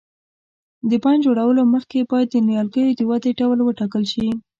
د بڼ جوړولو مخکې باید د نیالګیو د ودې ډول وټاکل شي.